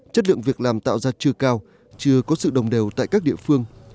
chất lượng việc làm tạo ra chưa cao chưa có sự đồng đều tại các địa phương